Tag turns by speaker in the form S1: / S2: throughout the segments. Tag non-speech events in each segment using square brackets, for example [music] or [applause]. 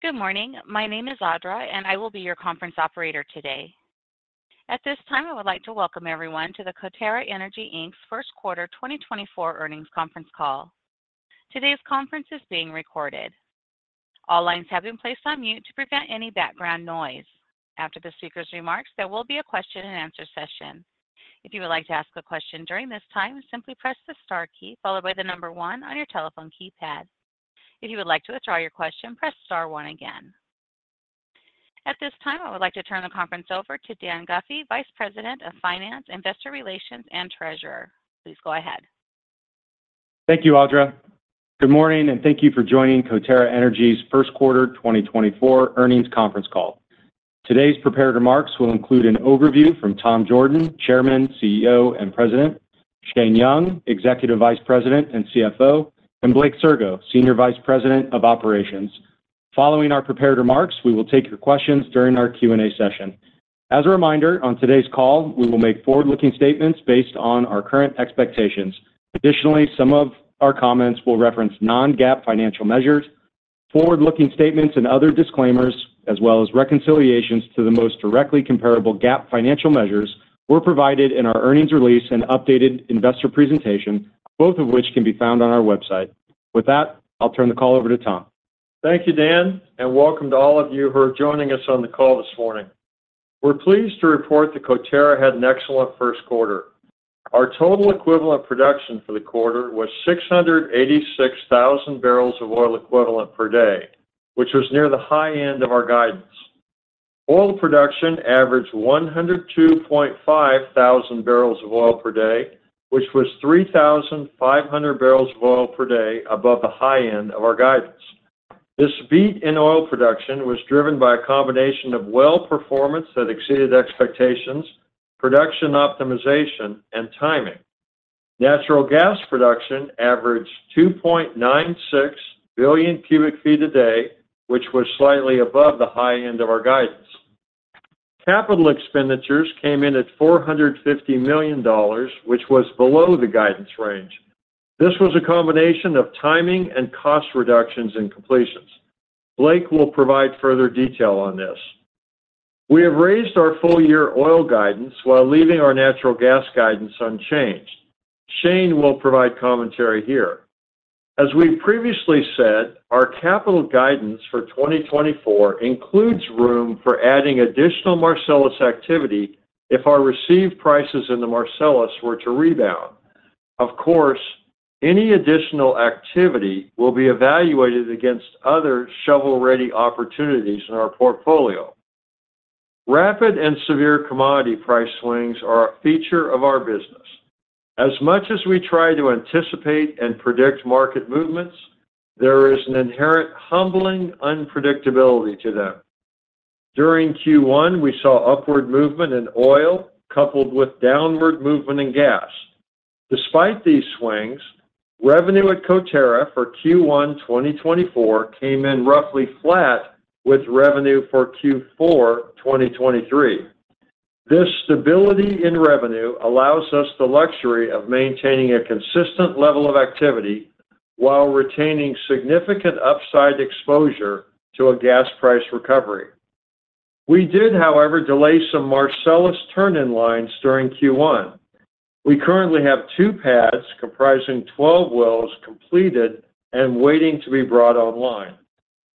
S1: Good morning. My name is Audra, and I will be your conference operator today. At this time, I would like to welcome everyone to the Coterra Energy Inc.'s First Quarter 2024 Earnings Conference Call. Today's conference is being recorded. All lines have been placed on mute to prevent any background noise. After the speaker's remarks, there will be a question-and-answer session. If you would like to ask a question during this time, simply press the star key followed by the number one on your telephone keypad. If you would like to withdraw your question, press star one again. At this time, I would like to turn the conference over to Dan Guffey, Vice President of Finance, Investor Relations, and Treasurer. Please go ahead.
S2: Thank you, Audra. Good morning, and thank you for joining Coterra Energy's First Quarter 2024 Earnings Conference Call. Today's prepared remarks will include an overview from Tom Jorden, Chairman, CEO, and President, Shane Young, Executive Vice President and CFO, and Blake Sirgo, Senior Vice President of Operations. Following our prepared remarks, we will take your questions during our Q&A session. As a reminder, on today's call, we will make forward-looking statements based on our current expectations. Additionally, some of our comments will reference non-GAAP financial measures, forward-looking statements, and other disclaimers, as well as reconciliations to the most directly comparable GAAP financial measures were provided in our earnings release and updated investor presentation, both of which can be found on our website. With that, I'll turn the call over to Tom.
S3: Thank you, Dan, and welcome to all of you who are joining us on the call this morning. We're pleased to report that Coterra had an excellent first quarter. Our total equivalent production for the quarter was 686,000 bbl of oil equivalent per day, which was near the high end of our guidance. Oil production averaged 102.5 thousand bbl of oil per day, which was 3,500 bbl of oil per day above the high end of our guidance. This beat in oil production was driven by a combination of well performance that exceeded expectations, production optimization, and timing. Natural gas production averaged 2.96 billion cu ft a day, which was slightly above the high end of our guidance. Capital expenditures came in at $450 million, which was below the guidance range. This was a combination of timing and cost reductions in completions. Blake will provide further detail on this. We have raised our full-year oil guidance while leaving our natural gas guidance unchanged. Shane will provide commentary here. As we've previously said, our capital guidance for 2024 includes room for adding additional Marcellus activity if our received prices in the Marcellus were to rebound. Of course, any additional activity will be evaluated against other shovel-ready opportunities in our portfolio. Rapid and severe commodity price swings are a feature of our business. As much as we try to anticipate and predict market movements, there is an inherent humbling unpredictability to them. During Q1, we saw upward movement in oil coupled with downward movement in gas. Despite these swings, revenue at Coterra for Q1 2024 came in roughly flat with revenue for Q4 2023. This stability in revenue allows us the luxury of maintaining a consistent level of activity while retaining significant upside exposure to a gas price recovery. We did, however, delay some Marcellus turn-in-lines during Q1. We currently have two pads comprising 12 wells completed and waiting to be brought online.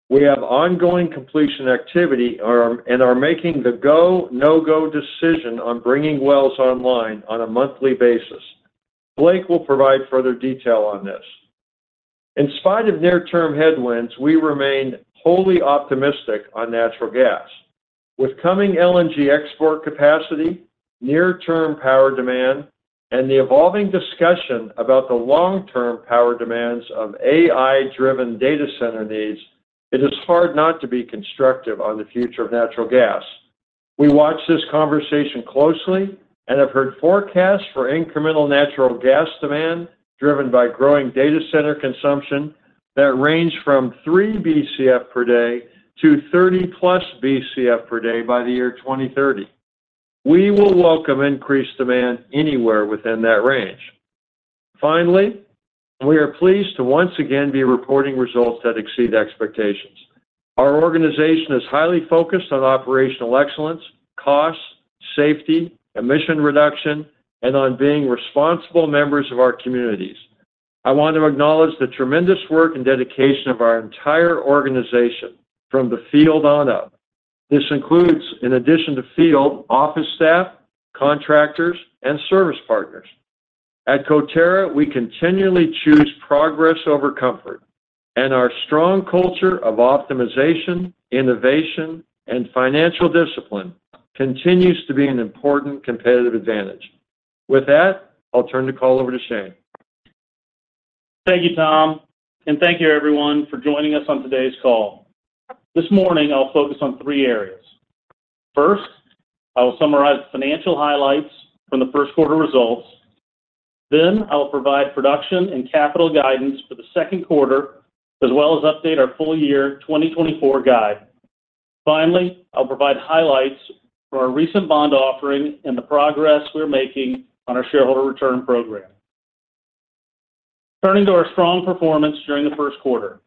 S3: We have ongoing completion activity and are making the go, no-go decision on bringing wells online on a monthly basis. Blake will provide further detail on this. In spite of near-term headwinds, we remain wholly optimistic on natural gas. With coming LNG export capacity, near-term power demand, and the evolving discussion about the long-term power demands of AI-driven data center needs, it is hard not to be constructive on the future of natural gas. We watch this conversation closely and have heard forecasts for incremental natural gas demand, driven by growing data center consumption that range from three Bcf per day to 30+ Bcf per day by the year 2030. We will welcome increased demand anywhere within that range. Finally, we are pleased to once again be reporting results that exceed expectations. Our organization is highly focused on operational excellence, costs, safety, emission reduction, and on being responsible members of our communities. I want to acknowledge the tremendous work and dedication of our entire organization from the field on up. This includes, in addition to field, office staff, contractors, and service partners. At Coterra, we continually choose progress over comfort, and our strong culture of optimization, innovation, and financial discipline continues to be an important competitive advantage. With that, I'll turn the call over to Shane.
S4: Thank you, Tom, and thank you everyone for joining us on today's call. This morning, I'll focus on three areas. First, I will summarize financial highlights from the first quarter results. Then, I'll provide production and capital guidance for the second quarter, as well as update our full-year 2024 guide. Finally, I'll provide highlights for our recent bond offering and the progress we're making on our shareholder return program... Turning to our strong performance during the first quarter.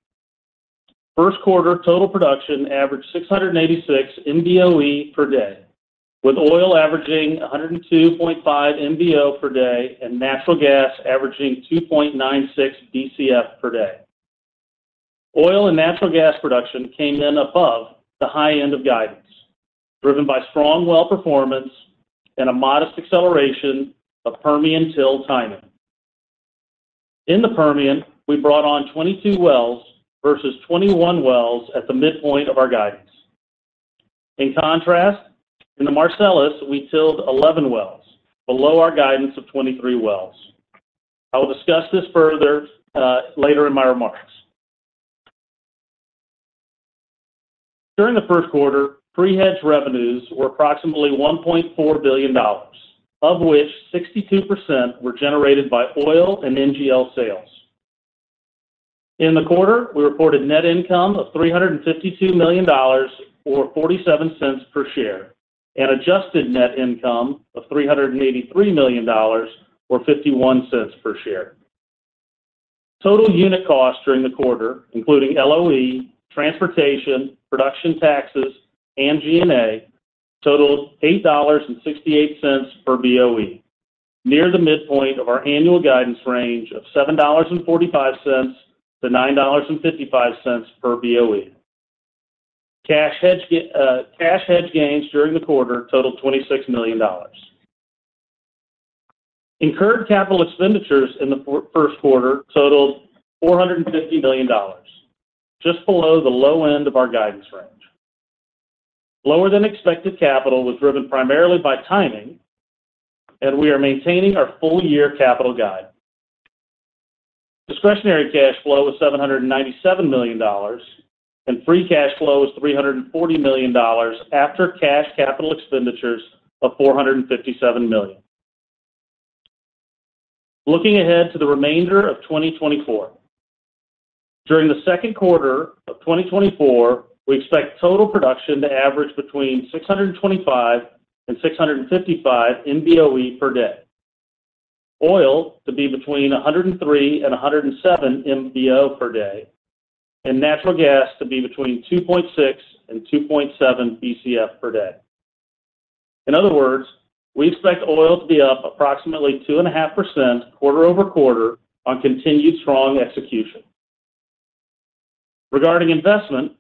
S4: First quarter total production averaged 686 MBOE per day, with oil averaging 102.5 MBO per day and natural gas averaging 2.96 BCF per day. Oil and natural gas production came in above the high end of guidance, driven by strong well performance and a modest acceleration of Permian TIL timing. In the Permian, we brought on 22 wells versus 21 wells at the midpoint of our guidance. In contrast, in the Marcellus, we TILed 11 wells, below our guidance of 23 wells. I will discuss this further, later in my remarks. During the first quarter, pre-hedge revenues were approximately $1.4 billion, of which 62% were generated by oil and NGL sales. In the quarter, we reported net income of $352 million or $0.47 per share, and adjusted net income of $383 million or $0.51 per share. Total unit costs during the quarter, including LOE, transportation, production taxes, and G&A, totaled $8.68 per BOE, near the midpoint of our annual guidance range of $7.45-$9.55 per BOE. Cash hedge, cash hedge gains during the quarter totaled $26 million. Incurred capital expenditures in the first quarter totaled $450 million, just below the low end of our guidance range. Lower than expected capital was driven primarily by timing, and we are maintaining our full-year capital guide. Discretionary cash flow was $797 million, and free cash flow was $340 million after cash capital expenditures of $457 million. Looking ahead to the remainder of 2024. During the second quarter of 2024, we expect total production to average between 625 and 655 MBOE per day, oil to be between 103 and 107 MBO per day, and natural gas to be between 2.6 and 2.7 BCF per day. In other words, we expect oil to be up approximately 2.5% quarter-over-quarter on continued strong execution. Regarding investment,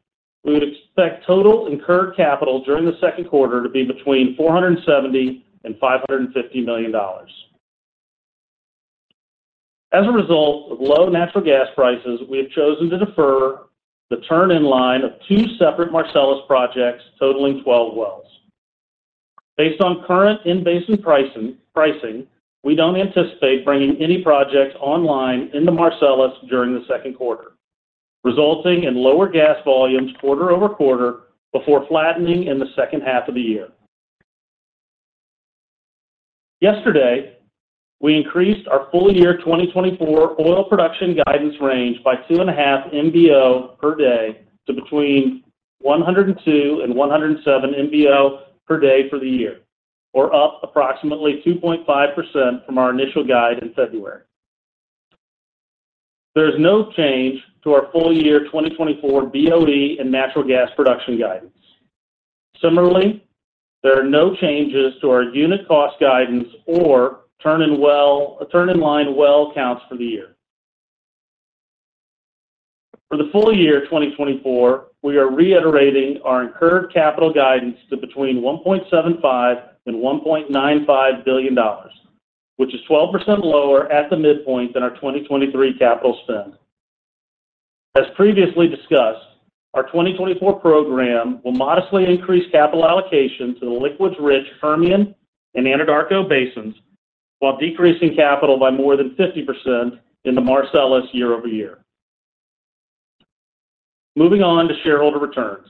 S4: we would expect total incurred capital during the second quarter to be between $470 million and $550 million. As a result of low natural gas prices, we have chosen to defer the turn-in-line of two separate Marcellus projects totaling 12 wells. Based on current in-basin pricing, pricing, we don't anticipate bringing any projects online in the Marcellus during the second quarter, resulting in lower gas volumes quarter-over-quarter before flattening in the second half of the year. Yesterday, we increased our full year 2024 oil production guidance range by 2.5 MBO per day to between 102 and 107 MBO per day for the year, or up approximately 2.5% from our initial guide in February. There is no change to our full year 2024 BOE and natural gas production guidance. Similarly, there are no changes to our unit cost guidance or turn-in-line well counts for the year. For the full year 2024, we are reiterating our incurred capital guidance to between $1.75 billion and $1.95 billion, which is 12% lower at the midpoint than our 2023 capital spend. As previously discussed, our 2024 program will modestly increase capital allocation to the liquids-rich Permian and Anadarko basins, while decreasing capital by more than 50% in the Marcellus year-over-year. Moving on to shareholder returns.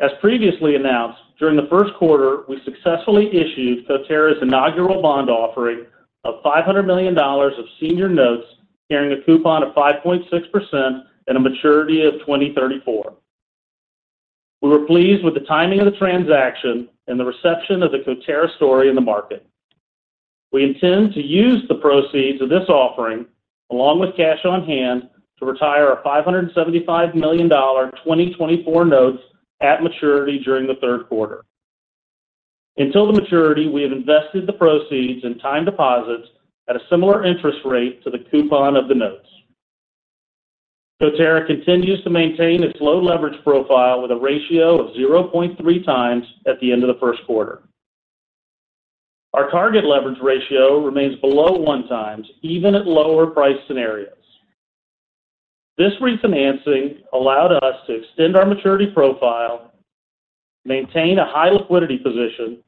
S4: As previously announced, during the first quarter, we successfully issued Coterra's inaugural bond offering of $500 million of senior notes carrying a coupon of 5.6% and a maturity of 2034. We were pleased with the timing of the transaction and the reception of the Coterra story in the market. We intend to use the proceeds of this offering, along with cash on hand, to retire our $575 million 2024 notes at maturity during the third quarter. Until the maturity, we have invested the proceeds in time deposits at a similar interest rate to the coupon of the notes. Coterra continues to maintain its low leverage profile with a ratio of 0.3x at the end of the first quarter. Our target leverage ratio remains below 1x, even at lower price scenarios. This refinancing allowed us to extend our maturity profile, maintain a high liquidity position,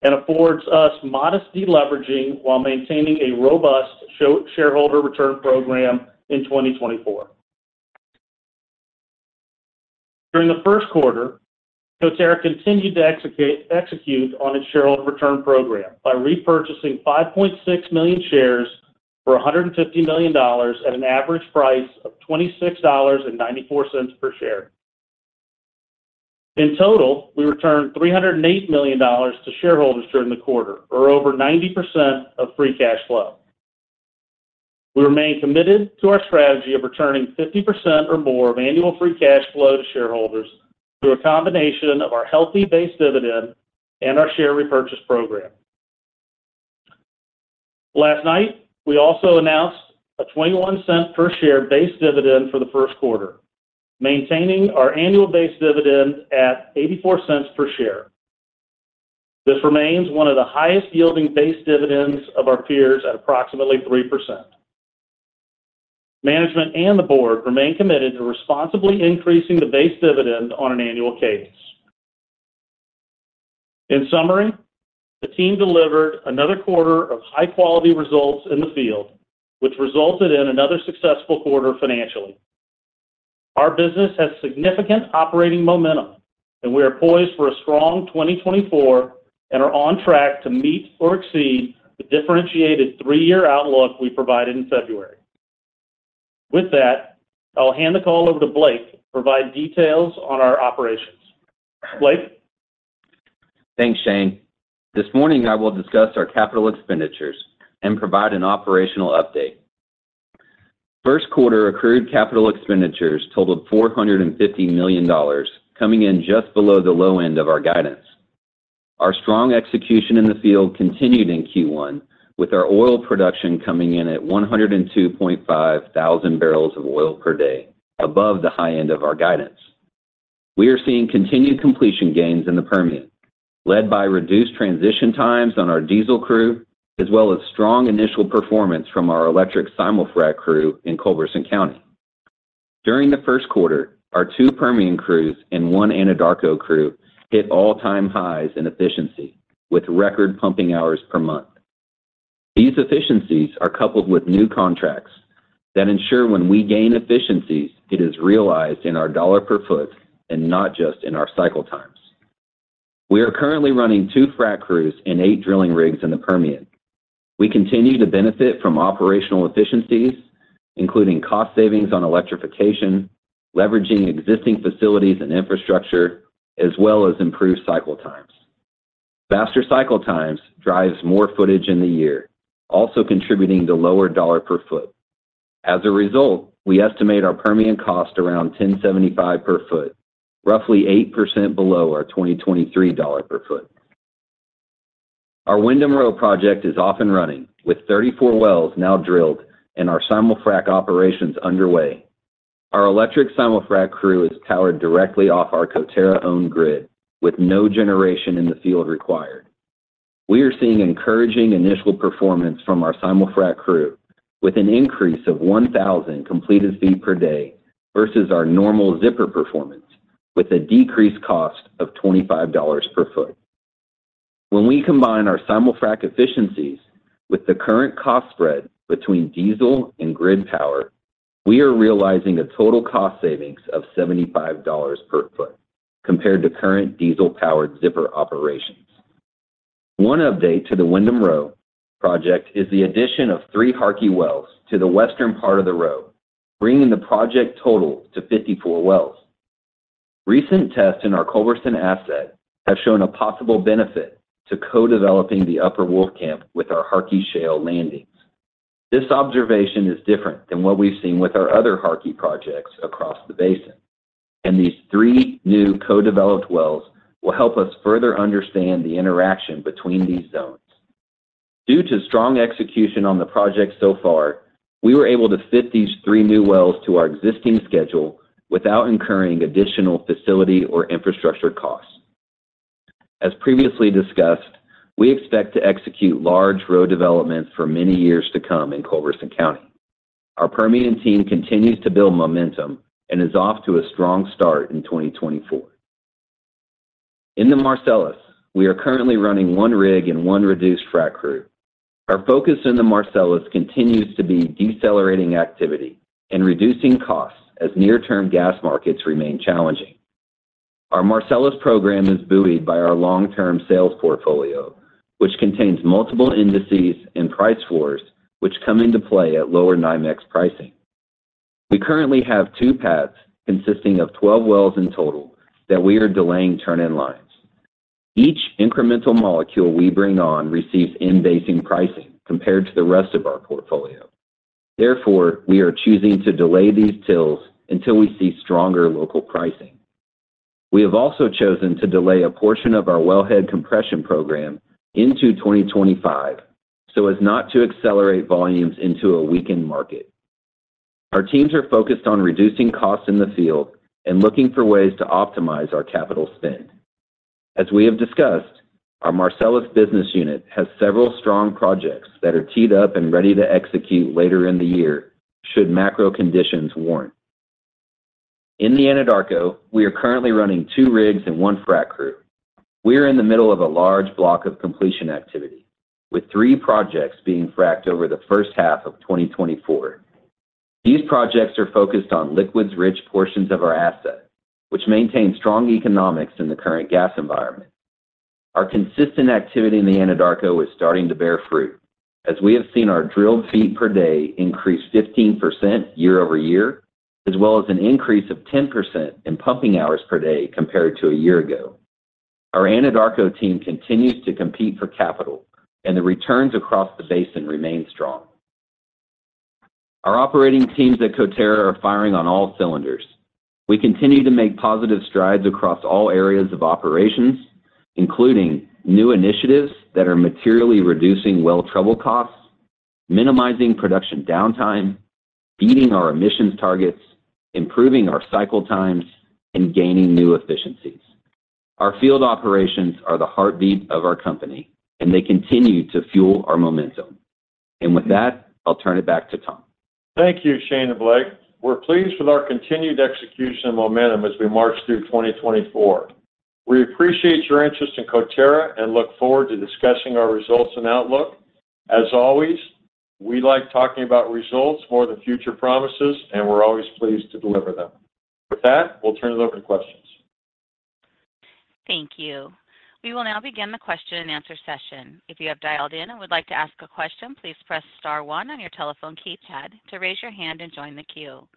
S4: and affords us modest deleveraging while maintaining a robust shareholder return program in 2024. During the first quarter, Coterra continued to execute on its shareholder return program by repurchasing 5.6 million shares for $150 million at an average price of $26.94 per share. In total, we returned $308 million to shareholders during the quarter, or over 90% of free cash flow. We remain committed to our strategy of returning 50% or more of annual free cash flow to shareholders through a combination of our healthy base dividend and our share repurchase program. Last night, we also announced a $0.21 per share base dividend for the first quarter, maintaining our annual base dividend at $0.84 per share. This remains one of the highest yielding base dividends of our peers at approximately 3%. Management and the board remain committed to responsibly increasing the base dividend on an annual basis. In summary, the team delivered another quarter of high-quality results in the field, which resulted in another successful quarter financially. Our business has significant operating momentum, and we are poised for a strong 2024 and are on track to meet or exceed the differentiated three-year outlook we provided in February. With that, I'll hand the call over to Blake to provide details on our operations. Blake?
S5: Thanks, Shane. This morning, I will discuss our capital expenditures and provide an operational update. First quarter accrued capital expenditures totaled $450 million, coming in just below the low end of our guidance. Our strong execution in the field continued in Q1, with our oil production coming in at 102.5 thousand bbl of oil per day, above the high end of our guidance. We are seeing continued completion gains in the Permian, led by reduced transition times on our diesel crew, as well as strong initial performance from our electric simul-frac crew in Culberson County. During the first quarter, our two Permian crews and one Anadarko crew hit all-time highs in efficiency, with record pumping hours per month. These efficiencies are coupled with new contracts that ensure when we gain efficiencies, it is realized in our dollar per foot and not just in our cycle times. We are currently running two frac crews and 8 drilling rigs in the Permian. We continue to benefit from operational efficiencies, including cost savings on electrification, leveraging existing facilities and infrastructure, as well as improved cycle times. Faster cycle times drives more footage in the year, also contributing to lower dollar per foot. As a result, we estimate our Permian cost around $1,075 per foot, roughly 8% below our 2023 dollar per foot. Our Windham Row project is off and running, with 34 wells now drilled and our simul-frac operations underway. Our electric simul-frac crew is powered directly off our Coterra-owned grid, with no generation in the field required. We are seeing encouraging initial performance from our simul-frac crew, with an increase of 1,000 completed feet per day versus our normal zipper performance, with a decreased cost of $25 per foot. When we combine our simul-frac efficiencies with the current cost spread between diesel and grid power, we are realizing a total cost savings of $75 per foot compared to current diesel-powered zipper operations. One update to the Windham Row project is the addition of three Harkey wells to the western part of the row, bringing the project total to 54 wells. Recent tests in our Culberson asset have shown a possible benefit to co-developing the Upper Wolfcamp with our Harkey shale landings. This observation is different than what we've seen with our other Harkey projects across the basin, and these three new co-developed wells will help us further understand the interaction between these zones. Due to strong execution on the project so far, we were able to fit these three new wells to our existing schedule without incurring additional facility or infrastructure costs. As previously discussed, we expect to execute large row developments for many years to come in Culberson County. Our Permian team continues to build momentum and is off to a strong start in 2024. In the Marcellus, we are currently running one rig and one reduced frac crew. Our focus in the Marcellus continues to be decelerating activity and reducing costs as near-term gas markets remain challenging. Our Marcellus program is buoyed by our long-term sales portfolio, which contains multiple indices and price floors, which come into play at lower NYMEX pricing. We currently have two pads consisting of 12 wells in total that we are delaying turn-in lines. Each incremental molecule we bring on receives in-basin pricing compared to the rest of our portfolio. Therefore, we are choosing to delay these TILs until we see stronger local pricing. We have also chosen to delay a portion of our wellhead compression program into 2025 so as not to accelerate volumes into a weakened market. Our teams are focused on reducing costs in the field and looking for ways to optimize our capital spend. As we have discussed, our Marcellus business unit has several strong projects that are teed up and ready to execute later in the year should macro conditions warrant. In the Anadarko, we are currently running two rigs and one frac crew. We are in the middle of a large block of completion activity, with three projects being fracked over the first half of 2024. These projects are focused on liquids-rich portions of our asset, which maintain strong economics in the current gas environment. Our consistent activity in the Anadarko is starting to bear fruit, as we have seen our drilled feet per day increase 15% year-over-year, as well as an increase of 10% in pumping hours per day compared to a year ago. Our Anadarko team continues to compete for capital, and the returns across the basin remain strong. Our operating teams at Coterra are firing on all cylinders. We continue to make positive strides across all areas of operations, including new initiatives that are materially reducing well trouble costs, minimizing production downtime, beating our emissions targets, improving our cycle times, and gaining new efficiencies. Our field operations are the heartbeat of our company, and they continue to fuel our momentum. With that, I'll turn it back to Tom.
S3: Thank you, Shane and Blake. We're pleased with our continued execution and momentum as we march through 2024. We appreciate your interest in Coterra, and look forward to discussing our results and outlook. As always, we like talking about results more than future promises, and we're always pleased to deliver them. With that, we'll turn it over to questions.
S1: Thank you. We will now begin the question-and-answer session. If you have dialed in and would like to ask a question, please press star one on your telephone keypad to raise your hand and join the queue.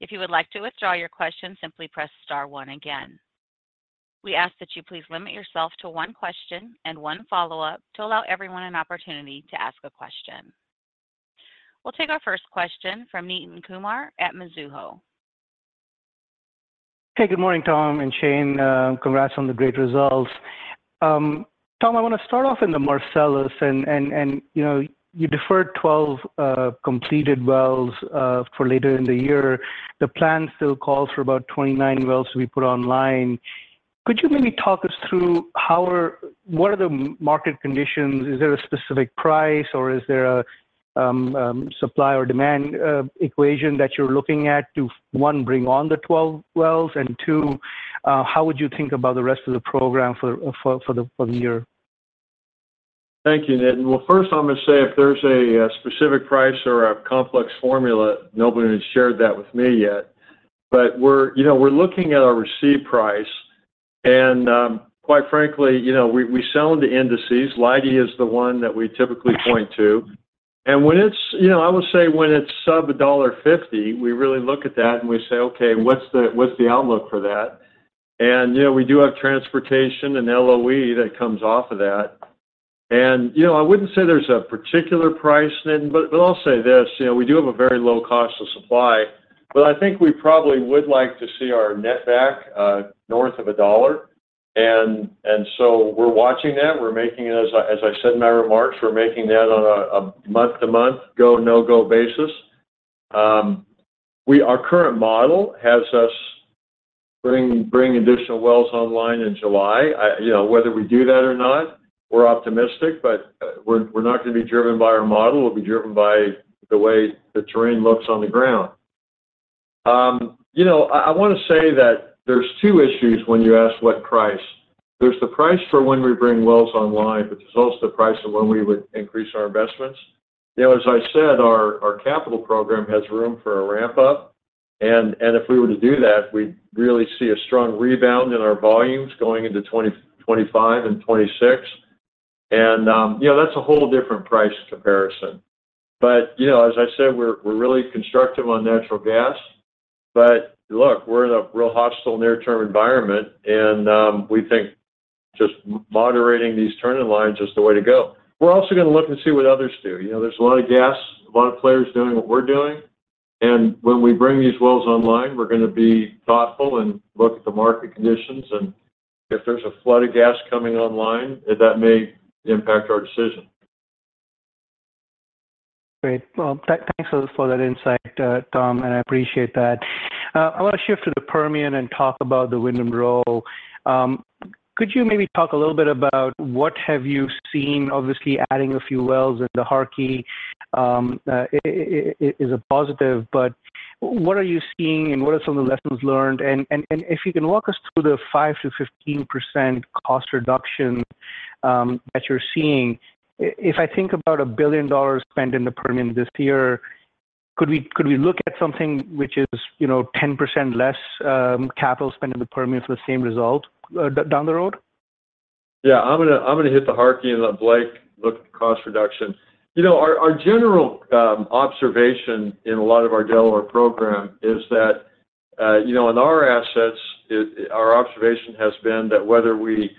S1: If you would like to withdraw your question, simply press star one again. We ask that you please limit yourself to one question and one follow-up to allow everyone an opportunity to ask a question. We'll take our first question from Nitin Kumar at Mizuho.
S6: Hey, good morning, Tom and Shane. Congrats on the great results. Tom, I want to start off in the Marcellus, and you know, you deferred 12 completed wells for later in the year. The plan still calls for about 29 wells to be put online. Could you maybe talk us through how—what are the market conditions? Is there a specific price, or is there a supply or demand equation that you're looking at to, one, bring on the 12 wells, and two, how would you think about the rest of the program for the year?
S3: Thank you, Nitin. Well, first, I'm gonna say if there's a specific price or a complex formula, nobody has shared that with me yet. But we're, you know, we're looking at our received price, and quite frankly, you know, we sell into indices. Leidy is the one that we typically point to. And when it's... You know, I would say, when it's sub $1.50, we really look at that, and we say, "Okay, what's the outlook for that?" And, you know, we do have transportation and LOE that comes off of that. And, you know, I wouldn't say there's a particular price, Nitin, but I'll say this, you know, we do have a very low cost of supply, but I think we probably would like to see our net back north of $1. And so we're watching that. We're making it as I, as I said in my remarks, we're making that on a, a month-to-month, go, no-go basis. Our current model has us bring, bring additional wells online in July. You know, whether we do that or not, we're optimistic, but, we're, we're not gonna be driven by our model. We'll be driven by the way the terrain looks on the ground. You know, I, I wanna say that there's two issues when you ask what price. There's the price for when we bring wells online, but there's also the price of when we would increase our investments. You know, as I said, our, our capital program has room for a ramp-up, and, and if we were to do that, we'd really see a strong rebound in our volumes going into 2025 and 2026. You know, that's a whole different price comparison. But, you know, as I said, we're really constructive on natural gas. But look, we're in a real hostile near-term environment, and we think just moderating these turn-in-lines is the way to go. We're also gonna look and see what others do. You know, there's a lot of gas, a lot of players doing what we're doing. And when we bring these wells online, we're gonna be thoughtful and look at the market conditions, and if there's a flood of gas coming online, that may impact our decision.
S6: Great. Well, thanks for that insight, Tom, and I appreciate that. I want to shift to the Permian and talk about the Windham Row. Could you maybe talk a little bit about what have you seen? Obviously, adding a few wells in the Harkey is a positive, but what are you seeing, and what are some of the lessons learned? And if you can walk us through the 5%-15% cost reduction that you're seeing, if I think about $1 billion spent in the Permian this year, could we look at something which is, you know, 10% less capital spent in the Permian for the same result down the road?
S3: Yeah, I'm gonna hit the Harkey and let Blake look at the cost reduction. You know, our general observation in a lot of our Delaware program is that, you know, in our assets, our observation has been that whether we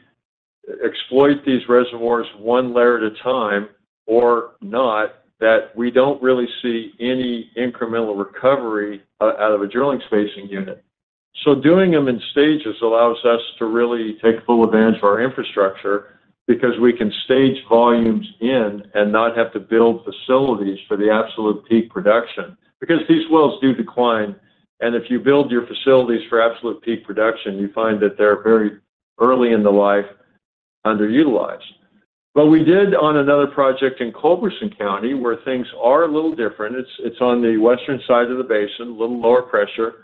S3: exploit these reservoirs one layer at a time or not, that we don't really see any incremental recovery out of a drilling spacing unit. So doing them in stages allows us to really take full advantage of our infrastructure because we can stage volumes in and not have to build facilities for the absolute peak production. Because these wells do decline, and if you build your facilities for absolute peak production, you find that they're very early in the life, underutilized. What we did on another project in Culberson County, where things are a little different, it's on the western side of the basin, a little lower pressure.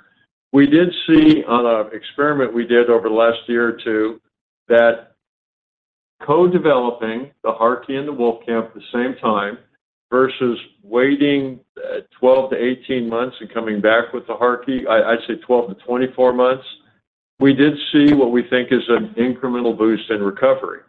S3: We did see on an experiment we did over the last year or two, that co-developing the Harkey and the Wolfcamp at the same time versus waiting, 12-18 months and coming back with the Harkey, I'd say 12-24 months, we did see what we think is an incremental boost in recovery.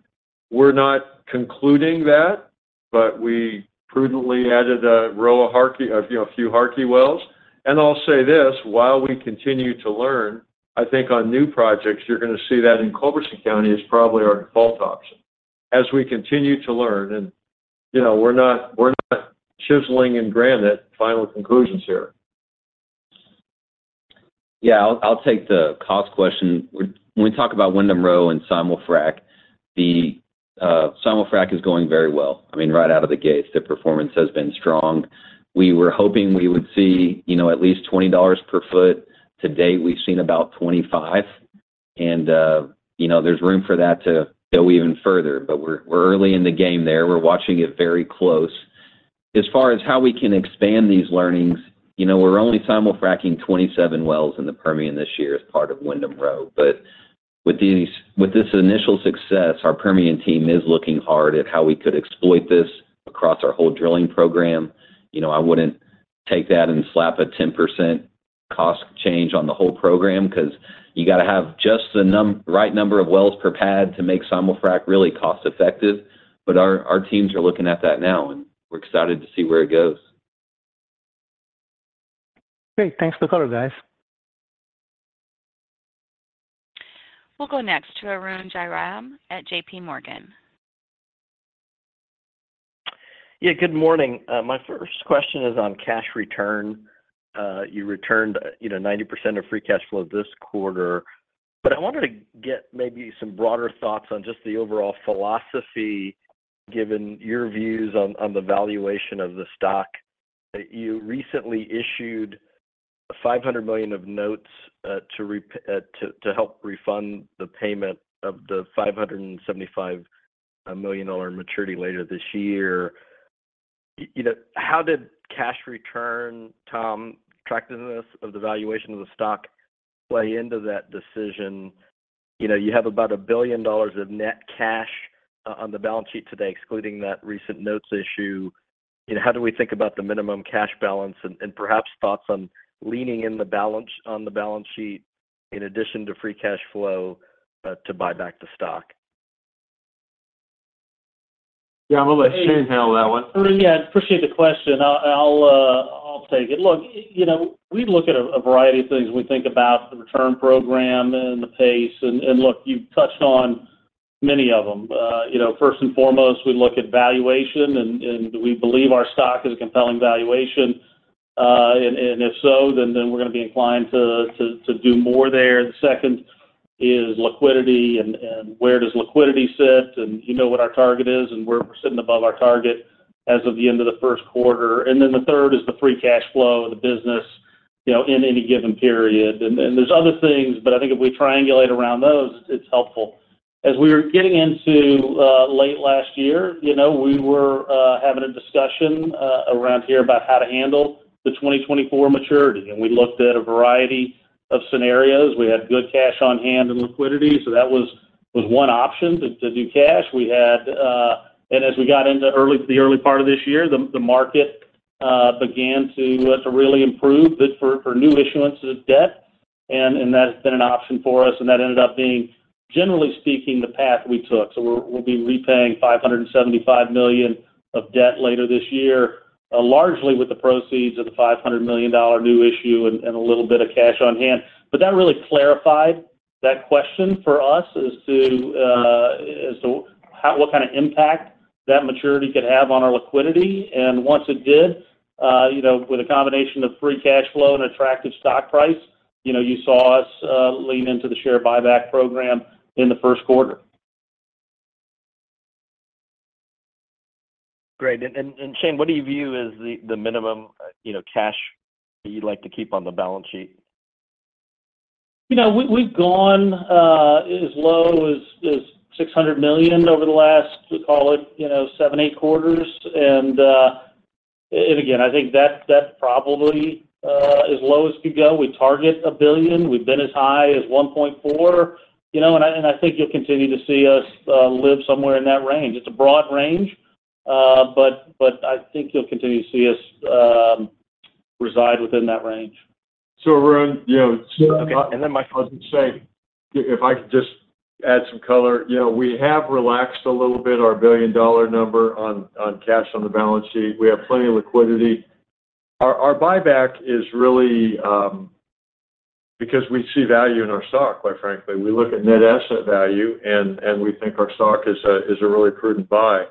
S3: We're not concluding that, but we prudently added a row of Harkey, you know, a few Harkey wells. And I'll say this, while we continue to learn, I think on new projects, you're gonna see that in Culberson County is probably our default option. As we continue to learn, you know, we're not chiseling in granite, final conclusions here.
S5: Yeah, I'll, I'll take the cost question. When, when we talk about Windham Row and simul-frac, the simul-frac is going very well. I mean, right out of the gate, the performance has been strong. We were hoping we would see, you know, at least $20 per foot. To date, we've seen about $25, and, you know, there's room for that to go even further. But we're, we're early in the game there, we're watching it very close. As far as how we can expand these learnings, you know, we're only simul-fracking 27 wells in the Permian this year as part of Windham Row. But with these, with this initial success, our Permian team is looking hard at how we could exploit this across our whole drilling program. You know, I wouldn't take that and slap a 10% cost change on the whole program, 'cause you gotta have just the right number of wells per pad to make simul-frac really cost-effective. But our teams are looking at that now, and we're excited to see where it goes.
S6: Great. Thanks for color, guys.
S1: We'll go next to Arun Jayaram at JPMorgan.
S7: Yeah, good morning. My first question is on cash return. You returned, you know, 90% of free cash flow this quarter. But I wanted to get maybe some broader thoughts on just the overall philosophy, given your views on the valuation of the stock. You recently issued $500 million of notes to help refund the payment of the $575 million maturity later this year. You know, how did cash return, Tom, attractiveness of the valuation of the stock play into that decision? You know, you have about $1 billion of net cash on the balance sheet today, excluding that recent notes issue. You know, how do we think about the minimum cash balance? And perhaps thoughts on leaning in the balance, on the balance sheet in addition to free cash flow to buy back the stock.
S3: Yeah, I'm gonna let Shane handle that one.
S4: Arun, yeah, I appreciate the question. I'll, I'll take it. Look, you know, we look at a variety of things when we think about the return program and the pace, and look, you've touched on many of them. You know, first and foremost, we look at valuation, and do we believe our stock is a compelling valuation? And if so, then we're gonna be inclined to do more there. The second is liquidity and where does liquidity sit, and you know what our target is, and we're sitting above our target as of the end of the first quarter. And then, the third is the Free Cash Flow of the business, you know, in any given period. And there's other things, but I think if we triangulate around those, it's helpful. As we were getting into late last year, you know, we were having a discussion around here about how to handle the 2024 maturity, and we looked at a variety of scenarios. We had good cash on hand and liquidity, so that was one option, to do cash. We had... And as we got into the early part of this year, the market began to really improve, good for new issuances of debt, and that's been an option for us, and that ended up being, generally speaking, the path we took. So we'll be repaying $575 million of debt later this year, largely with the proceeds of the $500 million new issue and a little bit of cash on hand. That really clarified that question for us as to how, what kind of impact that maturity could have on our liquidity. Once it did, you know, with a combination of free cash flow and attractive stock price, you know, you saw us lean into the share buyback program in the first quarter.
S7: Great. And Shane, what do you view as the minimum, you know, cash you'd like to keep on the balance sheet?
S4: You know, we've gone as low as $600 million over the last, we call it, you know, 7-8 quarters. And again, I think that's probably as low as it could go. We target $1 billion. We've been as high as $1.4 billion, you know, and I think you'll continue to see us live somewhere in that range. It's a broad range, but I think you'll continue to see us reside within that range.
S3: So Arun, you know-
S7: [crosstalk] Yeah. And then my-
S3: Shane, if I could just add some color. You know, we have relaxed a little bit our billion-dollar number on cash on the balance sheet. We have plenty of liquidity. Our buyback is really because we see value in our stock, quite frankly. We look at net asset value, and we think our stock is a really prudent buy.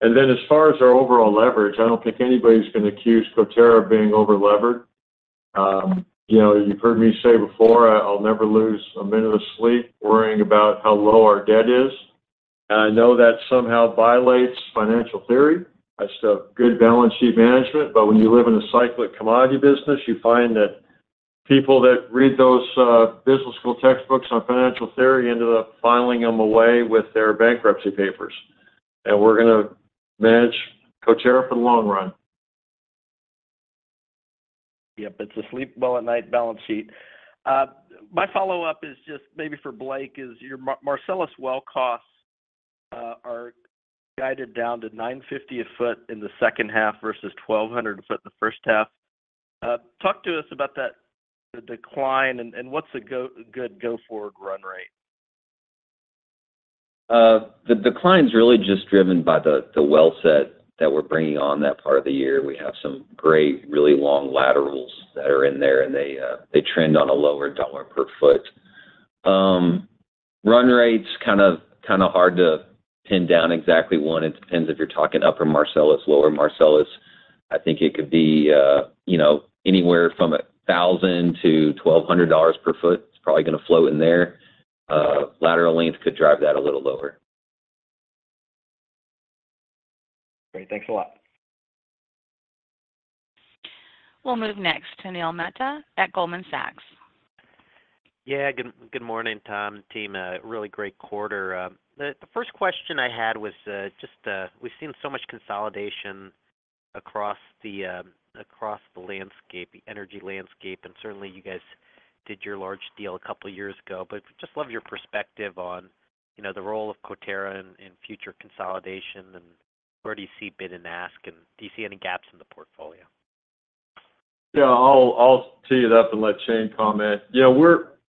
S3: And then, as far as our overall leverage, I don't think anybody's gonna accuse Coterra of being overlevered. You know, you've heard me say before, I'll never lose a minute of sleep worrying about how low our debt is. I know that somehow violates financial theory as to good balance sheet management, but when you live in a cyclical commodity business, you find that people that read those business school textbooks on financial theory ended up filing them away with their bankruptcy papers. And we're gonna manage Coterra for the long run....
S7: Yep, it's a sleep well at night balance sheet. My follow-up is just maybe for Blake, is your Marcellus well costs are guided down to $950 a foot in the second half versus $1,200 a foot in the first half. Talk to us about that, the decline and what's a good go-forward run rate?
S5: The decline's really just driven by the well set that we're bringing on that part of the year. We have some great, really long laterals that are in there, and they trend on a lower dollar per foot. Run rate's kind of hard to pin down exactly one. It depends if you're talking Upper Marcellus, lower Marcellus. I think it could be, you know, anywhere from $1,000-$1,200 per foot. It's probably gonna float in there. Lateral length could drive that a little lower.
S7: Great. Thanks a lot.
S1: We'll move next to Neil Mehta at Goldman Sachs.
S8: Yeah, good morning, Tom, team. A really great quarter. The first question I had was just we've seen so much consolidation across the landscape, the energy landscape, and certainly, you guys did your large deal a couple of years ago. But just love your perspective on, you know, the role of Coterra in future consolidation, and where do you see bid and ask, and do you see any gaps in the portfolio?
S3: Yeah, I'll tee it up and let Shane comment. Yeah,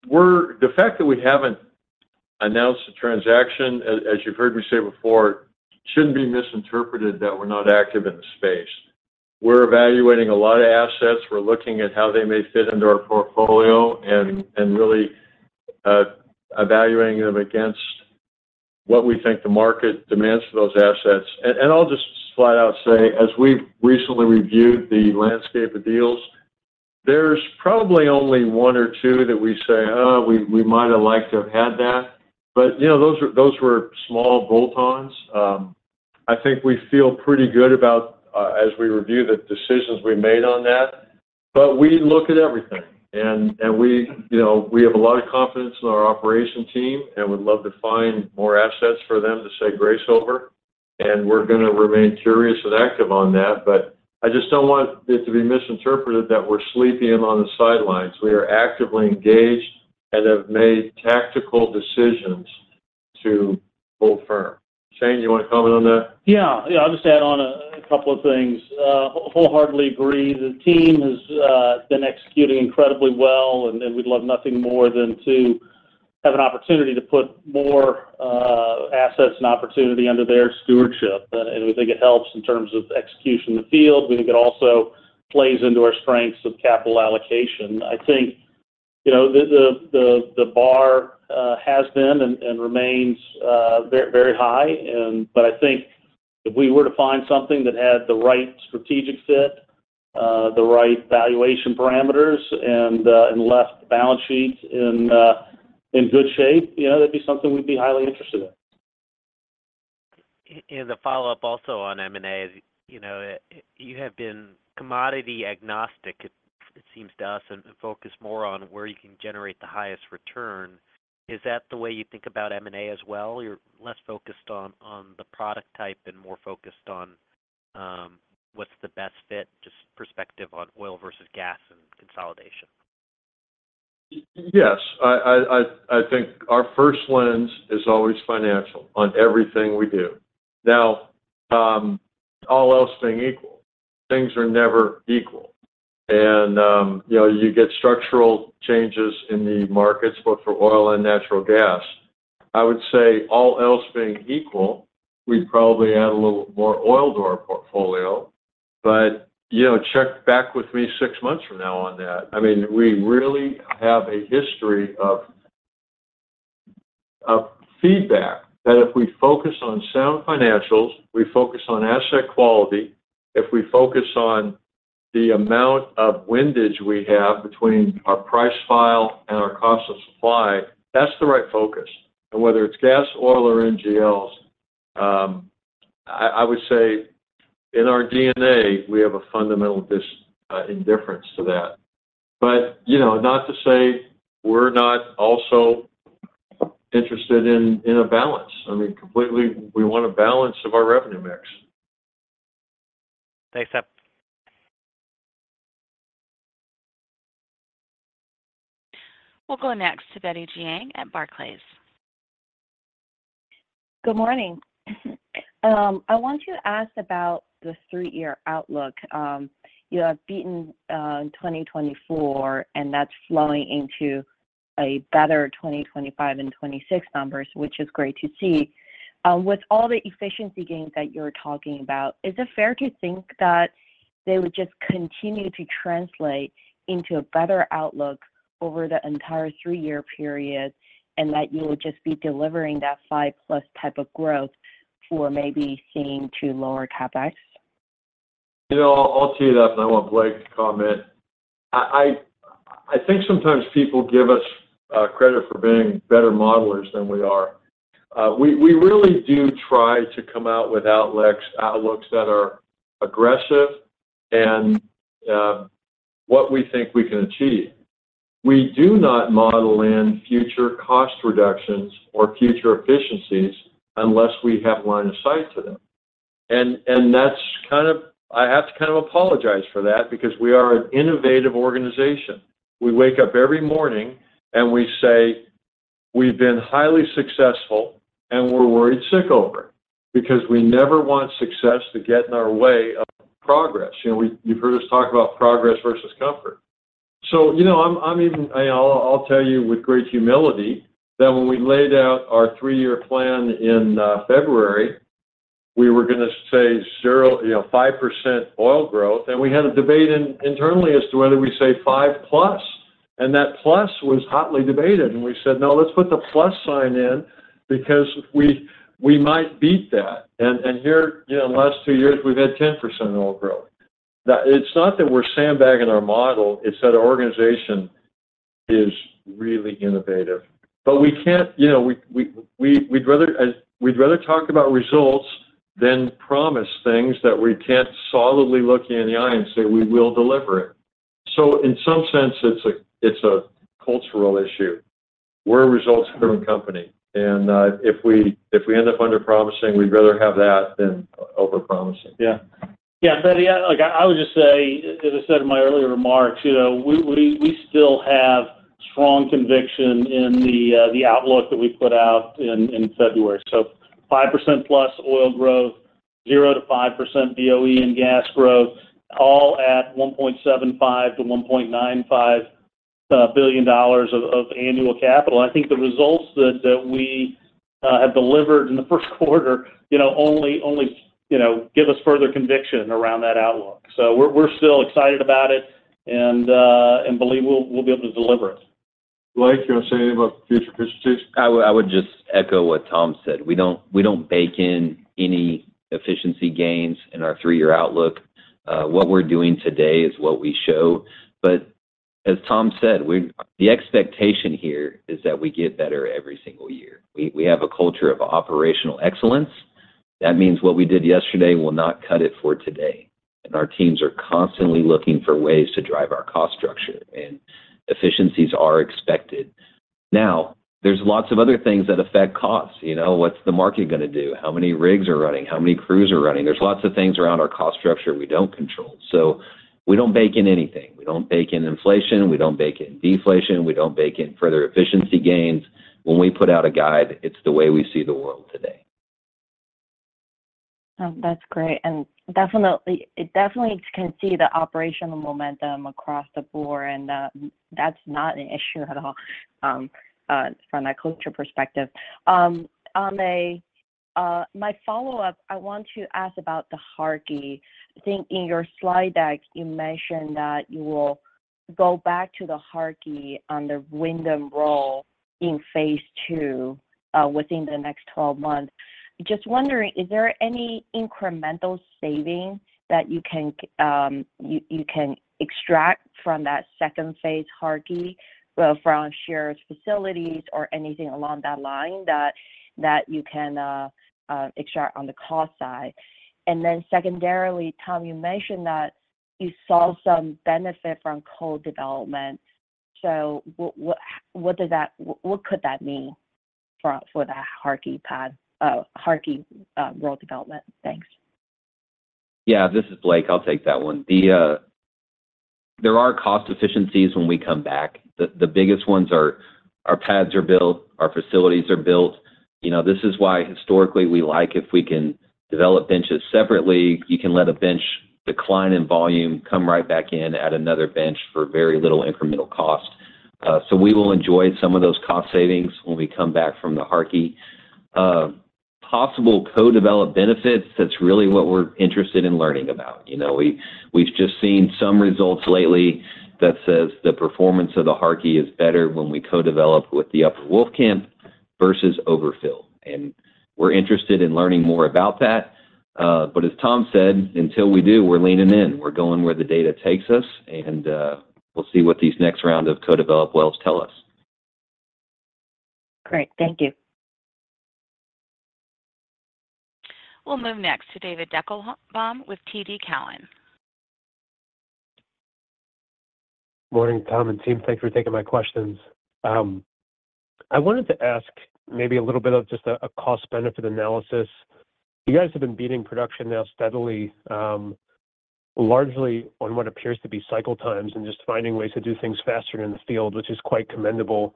S3: the fact that we haven't announced a transaction, as you've heard me say before, shouldn't be misinterpreted that we're not active in the space. We're evaluating a lot of assets. We're looking at how they may fit into our portfolio and really evaluating them against what we think the market demands for those assets. And I'll just flat out say, as we've recently reviewed the landscape of deals, there's probably only one or two that we say, "Oh, we might have liked to have had that." But you know, those were small bolt-ons. I think we feel pretty good about as we review the decisions we made on that, but we look at everything and we, you know, we have a lot of confidence in our operations team, and we'd love to find more assets for them to say grace over, and we're gonna remain curious and active on that. But I just don't want it to be misinterpreted that we're sleeping on the sidelines. We are actively engaged and have made tactical decisions to hold firm. Shane, you want to comment on that?
S4: Yeah. Yeah, I'll just add on a couple of things. Wholeheartedly agree, the team has been executing incredibly well, and we'd love nothing more than to have an opportunity to put more assets and opportunity under their stewardship. And we think it helps in terms of execution in the field. We think it also plays into our strengths of capital allocation. I think, you know, the bar has been and remains very, very high and... But I think if we were to find something that had the right strategic fit, the right valuation parameters, and left the balance sheets in good shape, you know, that'd be something we'd be highly interested in.
S8: The follow-up also on M&A is, you know, you have been commodity agnostic, it seems to us, and focus more on where you can generate the highest return. Is that the way you think about M&A as well? You're less focused on the product type and more focused on what's the best fit, just perspective on oil versus gas and consolidation?
S3: Yes. I think our first lens is always financial on everything we do. Now, all else being equal, things are never equal. And, you know, you get structural changes in the markets, both for oil and natural gas. I would say all else being equal, we'd probably add a little more oil to our portfolio, but, you know, check back with me six months from now on that. I mean, we really have a history of feedback that if we focus on sound financials, we focus on asset quality, if we focus on the amount of windage we have between our price file and our cost of supply, that's the right focus. And whether it's gas, oil or NGLs, I would say in our DNA, we have a fundamental indifference to that. But, you know, not to say we're not also interested in a balance. I mean, completely, we want a balance of our revenue mix.
S8: Thanks, Tom.
S1: We'll go next to Betty Jiang at Barclays.
S9: Good morning. I want to ask about the three-year outlook. You have beaten 2024, and that's flowing into a better 2025 and 2026 numbers, which is great to see. With all the efficiency gains that you're talking about, is it fair to think that they would just continue to translate into a better outlook over the entire three-year period, and that you will just be delivering that 5+ type of growth for maybe seeing two lower CapEx?
S3: You know, I'll tee it up, and I want Blake to comment. I think sometimes people give us credit for being better modelers than we are. We really do try to come out with outlooks, outlooks that are aggressive and what we think we can achieve. We do not model in future cost reductions or future efficiencies unless we have line of sight to them. And that's kind of. I have to kind of apologize for that, because we are an innovative organization. We wake up every morning, and we say, "We've been highly successful, and we're worried sick over it," because we never want success to get in our way of progress. You know, you've heard us talk about progress versus comfort. So, you know, I'm even. I’ll tell you with great humility, that when we laid out our three-year plan in February, we were gonna say 0-5% oil growth, and we had a debate internally as to whether we say 5%+, and that plus was hotly debated. And we said, "No, let's put the plus sign in because we might beat that." And here, you know, in the last two years, we've had 10% oil growth. That. It's not that we're sandbagging our model, it's that our organization is really innovative. But we can't. You know, we'd rather talk about results than promise things that we can't solidly look you in the eye and say, "We will deliver it." So in some sense, it's a cultural issue. We're a results-driven company, and if we end up under-promising, we'd rather have that than over-promising.
S4: Yeah. Yeah, Betty, like I, I would just say, as I said in my earlier remarks, you know, we, we, we still have strong conviction in the outlook that we put out in February. So 5%+ oil growth, 0%-5% BOE and gas growth, all at $1.75 billion-$1.95 billion of annual capital. I think the results that we have delivered in the first quarter, you know, only give us further conviction around that outlook. So we're still excited about it and believe we'll be able to deliver it.
S3: Blake, you want to say anything about future efficiencies?
S5: I would just echo what Tom said. We don't bake in any efficiency gains in our three-year outlook. What we're doing today is what we show. But as Tom said, the expectation here is that we get better every single year. We have a culture of operational excellence. That means what we did yesterday will not cut it for today, and our teams are constantly looking for ways to drive our cost structure, and efficiencies are expected. Now, there's lots of other things that affect costs. You know, what's the market gonna do? How many rigs are running? How many crews are running? There's lots of things around our cost structure we don't control. So we don't bake in anything. We don't bake in inflation, we don't bake in deflation, we don't bake in further efficiency gains. When we put out a guide, it's the way we see the world today.
S9: Oh, that's great, and definitely can see the operational momentum across the board, and that's not an issue at all from a culture perspective. My follow-up, I want to ask about the Harkey. I think in your slide deck, you mentioned that you will go back to the Harkey on the Windham Row in phase two within the next 12 months. Just wondering, is there any incremental savings that you can extract from that second phase Harkey from shared facilities or anything along that line that you can extract on the cost side? And then secondarily, Tom, you mentioned that you saw some benefit from co-development. So what does that mean, what could that mean for the Harkey pad, Harkey row development? Thanks.
S5: Yeah. This is Blake. I'll take that one. There are cost efficiencies when we come back. The biggest ones are, our pads are built, our facilities are built. You know, this is why historically, we like, if we can develop benches separately, you can let a bench decline in volume, come right back in, add another bench for very little incremental cost. So we will enjoy some of those cost savings when we come back from the Harkey. Possible co-develop benefits, that's really what we're interested in learning about. You know, we've just seen some results lately that says the performance of the Harkey is better when we co-develop with the Upper Wolfcamp versus Overfill, and we're interested in learning more about that. But as Tom said, until we do, we're leaning in. We're going where the data takes us, and we'll see what these next round of co-develop wells tell us.
S9: Great. Thank you.
S1: We'll move next to David Deckelbaum with TD Cowen.
S10: Morning, Tom and team. Thanks for taking my questions. I wanted to ask maybe a little bit of just a cost-benefit analysis. You guys have been beating production now steadily, largely on what appears to be cycle times and just finding ways to do things faster in the field, which is quite commendable.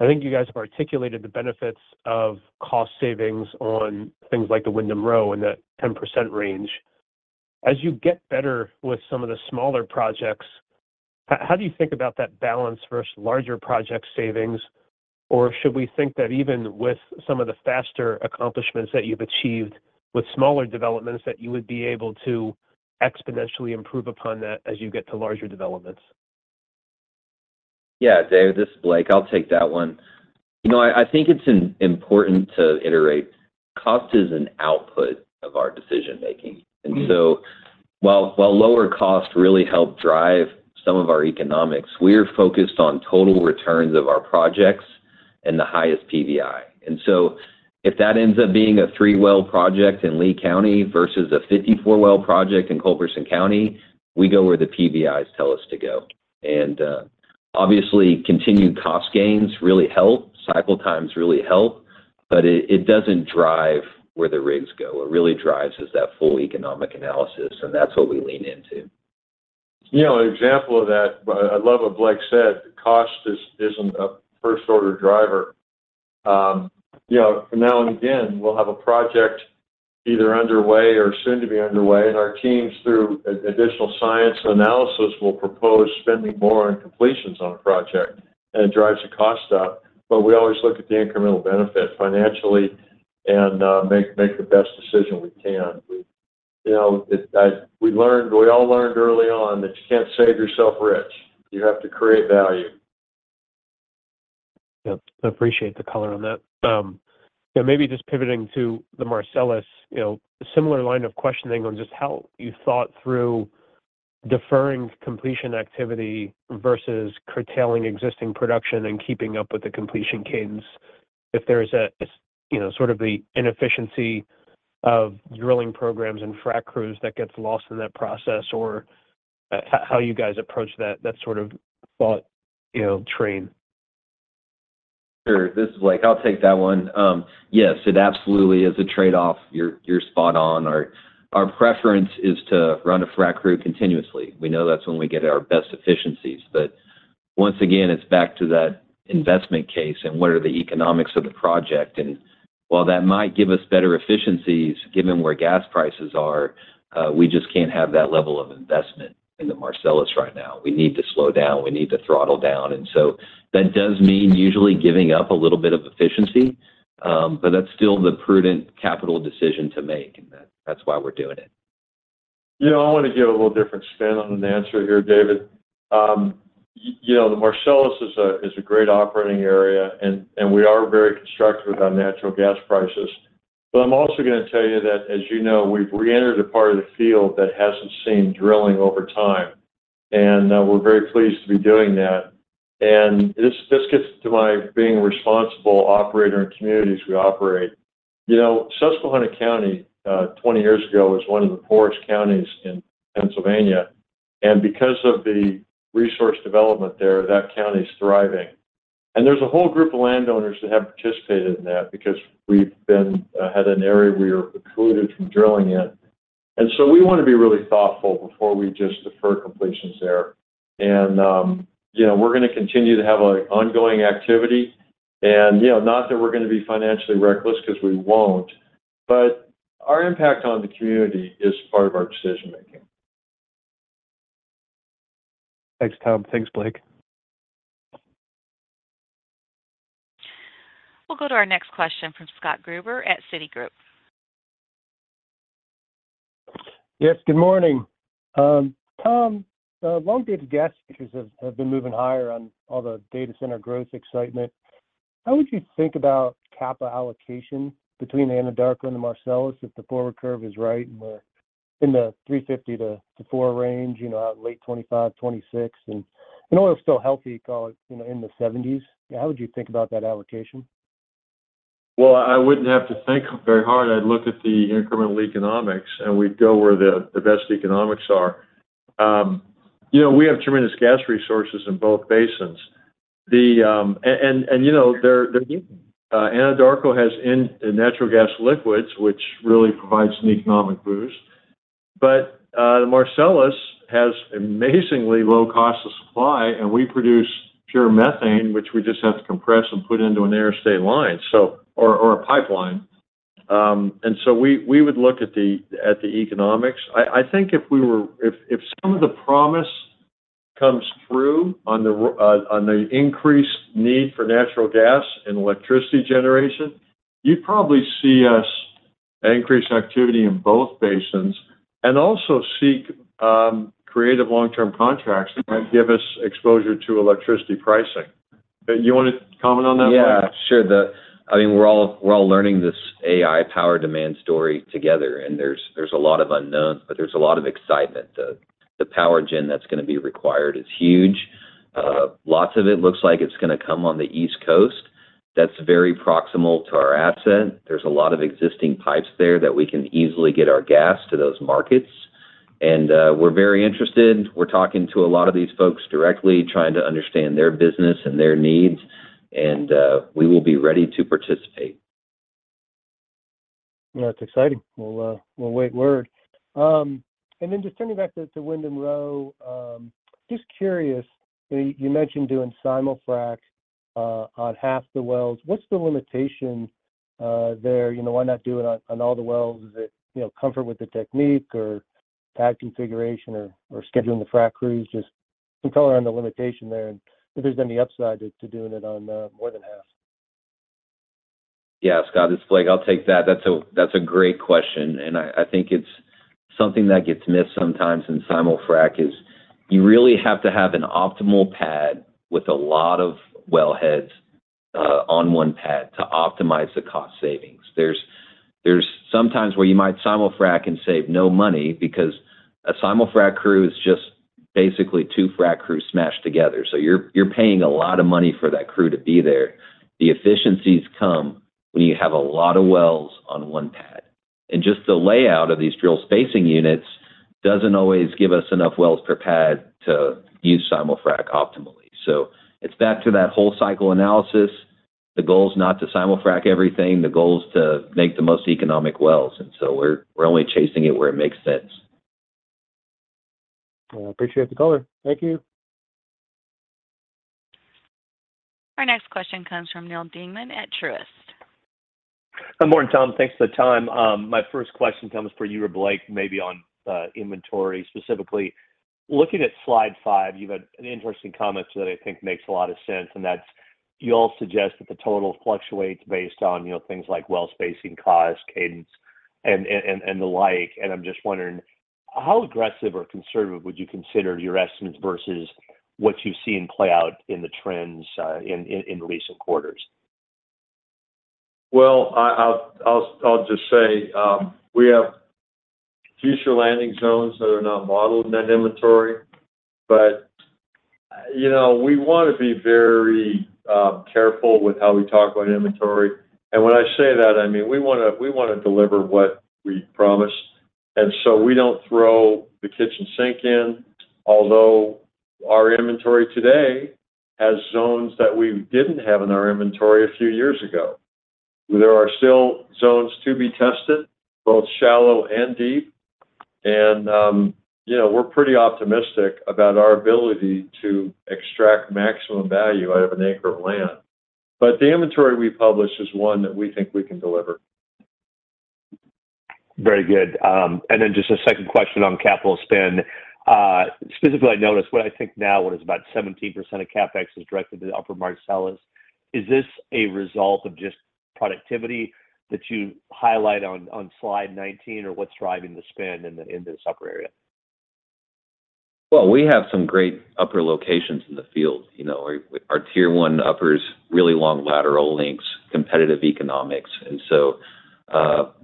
S10: I think you guys have articulated the benefits of cost savings on things like the Windham Row in the 10% range. As you get better with some of the smaller projects, how do you think about that balance versus larger project savings? Or should we think that even with some of the faster accomplishments that you've achieved with smaller developments, that you would be able to exponentially improve upon that as you get to larger developments?
S5: Yeah, David, this is Blake. I'll take that one. You know, I, I think it's important to iterate, cost is an output of our decision-making.
S10: Mm-hmm.
S5: And so while lower cost really help drive some of our economics, we are focused on total returns of our projects... and the highest PVI. And so if that ends up being a three-well project in Lea County versus a 54-well project in Culberson County, we go where the PVIs tell us to go. And, obviously, continued cost gains really help, cycle times really help, but it doesn't drive where the rigs go. What really drives is that full economic analysis, and that's what we lean into.
S3: You know, an example of that, but I love what Blake said, cost is, isn't a first-order driver. You know, now and again, we'll have a project either underway or soon to be underway, and our teams, through additional science and analysis, will propose spending more on completions on a project, and it drives the cost up. But we always look at the incremental benefit financially and, make the best decision we can. You know, we all learned early on that you can't save yourself rich. You have to create value.
S10: Yep. I appreciate the color on that. Yeah, maybe just pivoting to the Marcellus, you know, similar line of questioning on just how you thought through deferring completion activity versus curtailing existing production and keeping up with the completion cadence. If there is a, you know, sort of the inefficiency of drilling programs and frack crews that gets lost in that process, or how you guys approach that, that sort of thought, you know, train.
S5: Sure. This is Blake. I'll take that one. Yes, it absolutely is a trade-off. You're, you're spot on. Our, our preference is to run a frac crew continuously. We know that's when we get our best efficiencies. But once again, it's back to that investment case and what are the economics of the project. And while that might give us better efficiencies, given where gas prices are, we just can't have that level of investment in the Marcellus right now. We need to slow down, we need to throttle down. And so that does mean usually giving up a little bit of efficiency, but that's still the prudent capital decision to make, and that- that's why we're doing it.
S3: You know, I want to give a little different spin on an answer here, David. You know, the Marcellus is a great operating area, and we are very constructive with our natural gas prices. But I'm also gonna tell you that, as you know, we've reentered a part of the field that hasn't seen drilling over time, and we're very pleased to be doing that. And this gets to my being a responsible operator in communities we operate. You know, Susquehanna County, 20 years ago, was one of the poorest counties in Pennsylvania, and because of the resource development there, that county is thriving. And there's a whole group of landowners that have participated in that because we've had an area we are precluded from drilling in. And so we wanna be really thoughtful before we just defer completions there. You know, we're gonna continue to have, like, ongoing activity and, you know, not that we're gonna be financially reckless, 'cause we won't, but our impact on the community is part of our decision-making.
S10: Thanks, Tom. Thanks, Blake.
S1: We'll go to our next question from Scott Gruber at Citigroup.
S11: Yes, good morning. Tom, long-dated gas futures have been moving higher on all the data center growth excitement. How would you think about CapEx allocation between the Anadarko and the Marcellus if the forward curve is right, and we're in the $3.50-$4 range, you know, out late 2025, 2026, and, you know, it's still healthy, call it, you know, in the '70s? How would you think about that allocation?
S3: Well, I wouldn't have to think very hard. I'd look at the incremental economics, and we'd go where the best economics are. You know, we have tremendous gas resources in both basins. The Anadarko has natural gas liquids, which really provides an economic boost. But the Marcellus has amazingly low cost of supply, and we produce pure methane, which we just have to compress and put into an interstate line, or a pipeline. And so we would look at the economics. I think if some of the promise comes through on the increased need for natural gas and electricity generation, you'd probably see us increase activity in both basins and also seek creative long-term contracts that might give us exposure to electricity pricing. You wanna comment on that, Blake?
S5: Yeah, sure. I mean, we're all, we're all learning this AI power demand story together, and there's, there's a lot of unknowns, but there's a lot of excitement. The power gen that's gonna be required is huge. Lots of it looks like it's gonna come on the East Coast. That's very proximal to our asset. There's a lot of existing pipes there that we can easily get our gas to those markets. And we're very interested. We're talking to a lot of these folks directly, trying to understand their business and their needs, and we will be ready to participate.
S11: Yeah, it's exciting. We'll, we'll wait word. And then just turning back to Windham Row, just curious, you know, you mentioned doing simul-frac on half the wells. What's the limitation there? You know, why not do it on all the wells? Is it, you know, comfort with the technique or pad configuration or scheduling the frac crews? Just some color on the limitation there, and if there's any upside to doing it on more than half.
S5: Yeah, Scott, it's Blake. I'll take that. That's a great question, and I think it's something that gets missed sometimes in simul-frac, is you really have to have an optimal pad with a lot of well heads on one pad to optimize the cost savings. There's sometimes where you might simul-frac and save no money, because a simul-frac crew is just basically two frac crews smashed together. So you're paying a lot of money for that crew to be there. The efficiencies come when you have a lot of wells on one pad. And just the layout of these drill spacing units doesn't always give us enough wells per pad to use simul-frac optimally. So it's back to that whole cycle analysis. The goal is not to simul-frac everything. The goal is to make the most economic wells, and so we're only chasing it where it makes sense.
S11: Well, I appreciate the color. Thank you.
S1: Our next question comes from Neal Dingman at Truist.
S12: Good morning, Tom. Thanks for the time. My first question comes for you or Blake, maybe on inventory. Specifically, looking at slide five, you've had an interesting comment that I think makes a lot of sense, and that's, you all suggest that the total fluctuates based on, you know, things like well spacing, cost, cadence, and the like. And I'm just wondering: How aggressive or conservative would you consider your estimates versus what you've seen play out in the trends, in recent quarters?
S3: Well, I'll just say, we have future landing zones that are not modeled in that inventory. But, you know, we wanna be very careful with how we talk about inventory. And when I say that, I mean, we wanna deliver what we promise, and so we don't throw the kitchen sink in. Although our inventory today has zones that we didn't have in our inventory a few years ago. There are still zones to be tested, both shallow and deep. And, you know, we're pretty optimistic about our ability to extract maximum value out of an acre of land. But the inventory we publish is one that we think we can deliver.
S12: Very good. And then just a second question on capital spend. Specifically, I noticed what I think now, what is about 17% of CapEx is directed to the Upper Marcellus. Is this a result of just productivity that you highlight on slide 19, or what's driving the spend in this Upper area?
S5: Well, we have some great Upper locations in the field. You know, our Tier One Upper is really long lateral links, competitive economics, and so,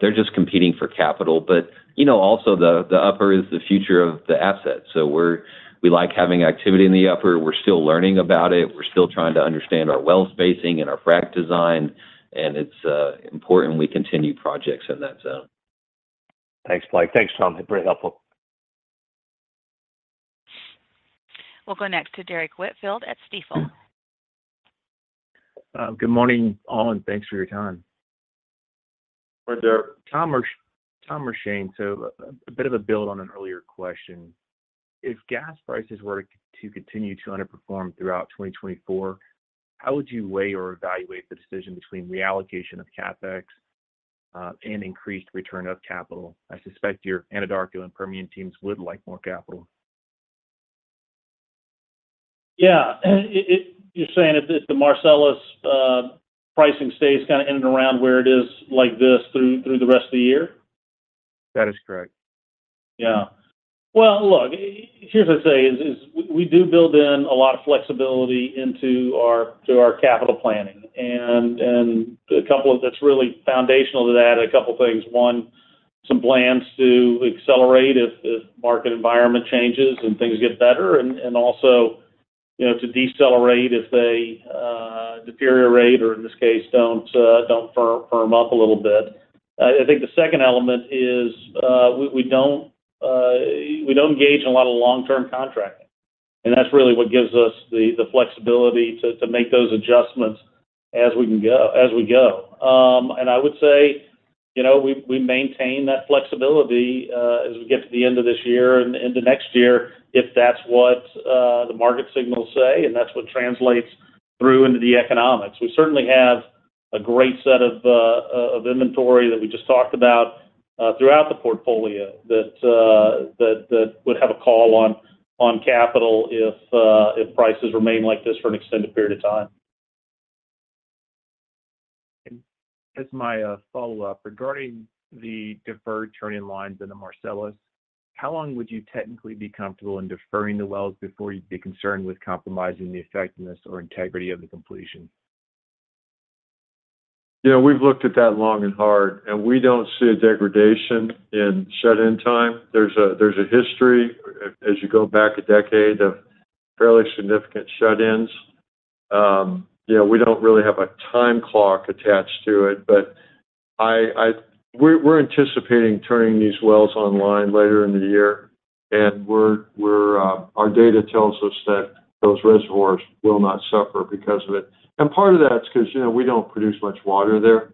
S5: they're just competing for capital. But, you know, also the Upper is the future of the asset, so we're we like having activity in the Upper. We're still learning about it. We're still trying to understand our well spacing and our frac design, and it's important we continue projects in that zone.
S12: Thanks, Blake. Thanks, Tom. Very helpful.
S1: We'll go next to Derrick Whitfield at Stifel.
S13: Good morning, all, and thanks for your time.
S3: Hi, Derrick.
S13: Tom or Shane, so a bit of a build on an earlier question. If gas prices were to continue to underperform throughout 2024, how would you weigh or evaluate the decision between reallocation of CapEx and increased return of capital? I suspect your Anadarko and Permian teams would like more capital.
S4: Yeah, you're saying if the Marcellus pricing stays kinda in and around where it is like this through the rest of the year?
S13: That is correct.
S4: Yeah. Well, look, here's what I say is we do build in a lot of flexibility into our capital planning. And a couple of... That's really foundational to that, a couple of things. One, some plans to accelerate if the market environment changes and things get better, and also, you know, to decelerate if they deteriorate, or in this case, don't firm up a little bit. I think the second element is we don't engage in a lot of long-term contracting, and that's really what gives us the flexibility to make those adjustments as we go. I would say, you know, we maintain that flexibility as we get to the end of this year and into next year, if that's what the market signals say, and that's what translates through into the economics. We certainly have a great set of inventory that we just talked about throughout the portfolio that would have a call on capital if prices remain like this for an extended period of time.
S13: As my follow-up, regarding the deferred turn-in-lines in the Marcellus, how long would you technically be comfortable in deferring the wells before you'd be concerned with compromising the effectiveness or integrity of the completion?
S3: You know, we've looked at that long and hard, and we don't see a degradation in shut-in time. There's a history, as you go back a decade, of fairly significant shut-ins. You know, we don't really have a time clock attached to it, but we're. Our data tells us that those reservoirs will not suffer because of it. And part of that is 'cause, you know, we don't produce much water there,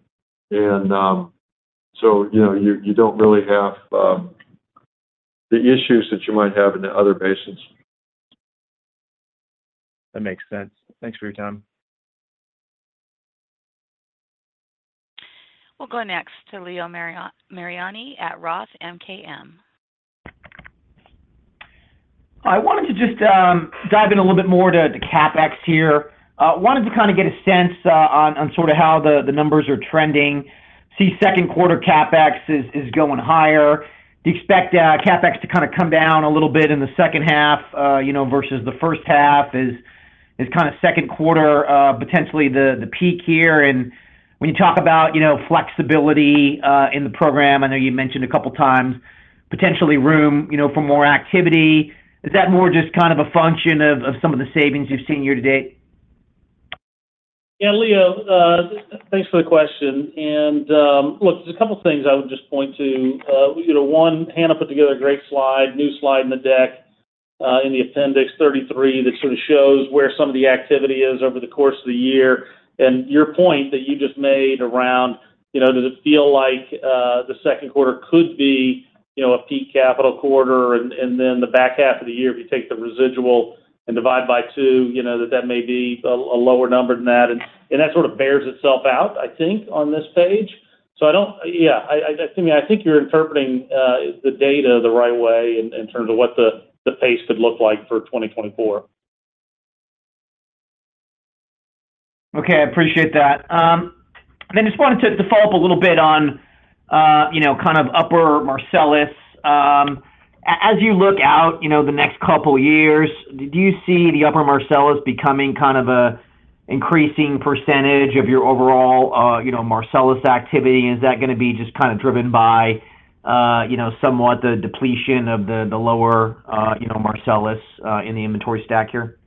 S3: and so, you know, you don't really have the issues that you might have in the other basins.
S13: That makes sense. Thanks for your time.
S1: We'll go next to Leo Mariani at Roth MKM.
S14: I wanted to just, dive in a little bit more to the CapEx here. Wanted to kinda get a sense, on, on sorta how the, the numbers are trending. See second quarter CapEx is going higher. Do you expect, CapEx to kinda come down a little bit in the second half, you know, versus the first half? Is-... This kind of second quarter, potentially the peak here. And when you talk about, you know, flexibility in the program, I know you mentioned a couple of times potentially room, you know, for more activity. Is that more just kind of a function of some of the savings you've seen year-to-date?
S4: Yeah, Leo, thanks for the question. And, look, there's a couple of things I would just point to. You know, one, Hannah put together a great slide, new slide in the deck, in the appendix 33, that sort of shows where some of the activity is over the course of the year. And your point that you just made around, you know, does it feel like, the second quarter could be, you know, a peak capital quarter, and, and then the back half of the year, if you take the residual and divide by two, you know, that that may be a, a lower number than that. And, and that sort of bears itself out, I think, on this page. So, I mean, I think you're interpreting the data the right way in terms of what the pace could look like for 2024.
S14: Okay, I appreciate that. And then just wanted to follow up a little bit on, you know, kind of Upper Marcellus. As you look out, you know, the next couple years, do you see the Upper Marcellus becoming kind of a increasing percentage of your overall, you know, Marcellus activity? Is that gonna be just kind of driven by, you know, somewhat the depletion of the lower, you know, Marcellus, in the inventory stack here?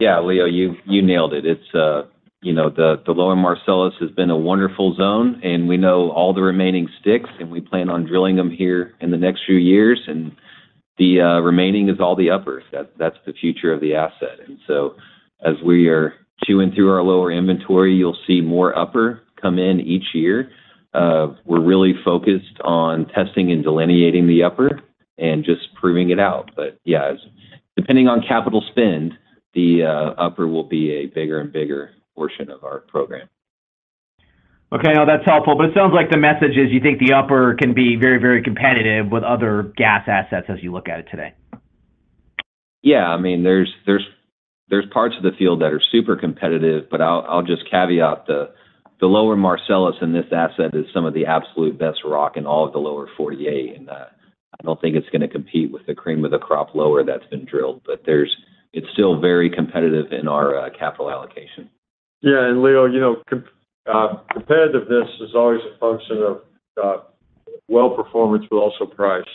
S5: Yeah, Leo, you, you nailed it. It's you know, the Lower Marcellus has been a wonderful zone, and we know all the remaining sticks, and we plan on drilling them here in the next few years, and the remaining is all the Upper. That, that's the future of the asset. And so as we are chewing through our lower inventory, you'll see more Upper come in each year. We're really focused on testing and delineating the Upper and just proving it out. But yeah, depending on capital spend, the Upper will be a bigger and bigger portion of our program.
S14: Okay, now, that's helpful, but it sounds like the message is you think the Upper can be very, very competitive with other gas assets as you look at it today.
S5: Yeah. I mean, there's parts of the field that are super competitive, but I'll just caveat, the Lower Marcellus in this asset is some of the absolute best rock in all of the Lower 48, and I don't think it's gonna compete with the cream of the crop Lower that's been drilled, but it's still very competitive in our capital allocation.
S3: Yeah, and Leo, you know, competitiveness is always a function of well performance, but also price.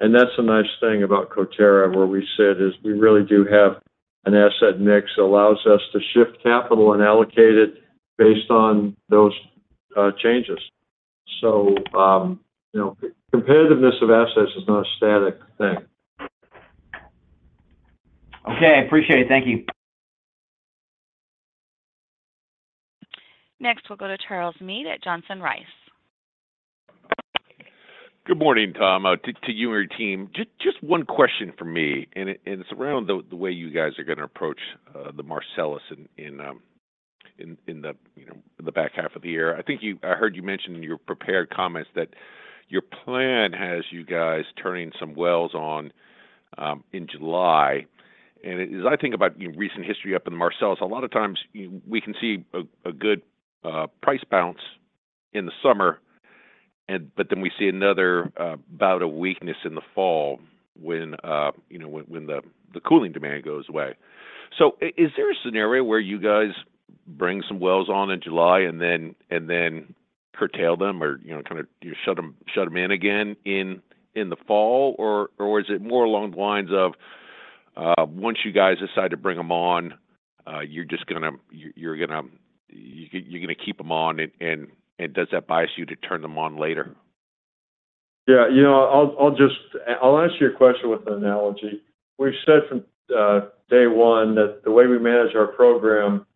S3: And that's the nice thing about Coterra, where we sit, is we really do have an asset mix that allows us to shift capital and allocate it based on those changes. So, you know, competitiveness of assets is not a static thing.
S14: Okay, I appreciate it. Thank you.
S1: Next, we'll go to Charles Meade at Johnson Rice.
S15: Good morning, Tom, to you and your team. Just one question from me, and it's around the way you guys are gonna approach the Marcellus in the back half of the year. I think I heard you mention in your prepared comments that your plan has you guys turning some wells on in July. And as I think about recent history up in Marcellus, a lot of times, we can see a good price bounce in the summer, but then we see another bout of weakness in the fall when you know, when the cooling demand goes away. So, is there a scenario where you guys bring some wells on in July and then, and then curtail them or, you know, kinda you shut them, shut them in again in, in the fall? Or, or is it more along the lines of, once you guys decide to bring them on, you're just gonna—you're, you're gonna, you, you're gonna keep them on, and, and, and does that bias you to turn them on later?
S3: Yeah, you know, I'll, I'll just... I'll answer your question with an analogy. We've said from day one that the way we manage our program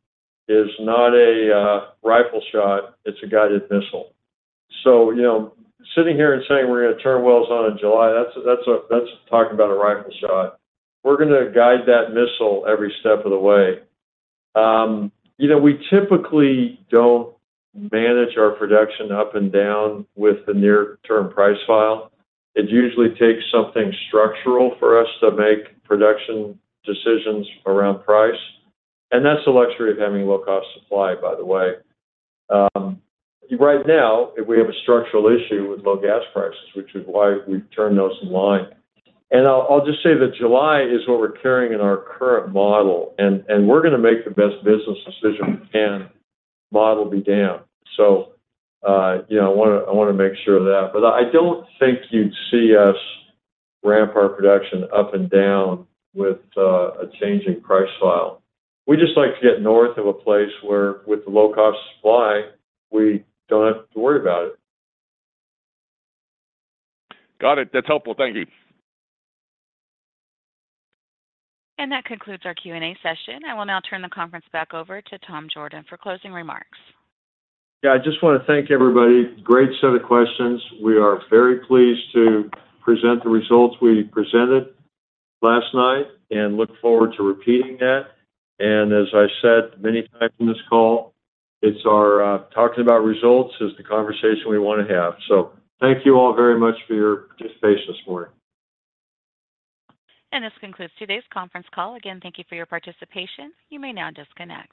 S3: is not a rifle shot, it's a guided missile. So, you know, sitting here and saying we're gonna turn wells on in July, that's a, that's a-- that's talking about a rifle shot. We're gonna guide that missile every step of the way. You know, we typically don't manage our production up and down with the near-term price file. It usually takes something structural for us to make production decisions around price, and that's the luxury of having low cost supply, by the way. Right now, we have a structural issue with low gas prices, which is why we've turned those in line. And I'll just say that July is what we're carrying in our current model, and we're gonna make the best business decision we can, model be damned. So, you know, I wanna make sure of that. But I don't think you'd see us ramp our production up and down with a changing price profile. We just like to get north of a place where, with the low-cost supply, we don't have to worry about it.
S15: Got it. That's helpful. Thank you.
S1: That concludes our Q&A session. I will now turn the conference back over to Tom Jorden for closing remarks.
S3: Yeah, I just wanna thank everybody. Great set of questions. We are very pleased to present the results we presented last night, and look forward to repeating that. And as I said many times in this call, it's our talking about results is the conversation we wanna have. So thank you all very much for your participation this morning.
S1: This concludes today's conference call. Again, thank you for your participation. You may now disconnect.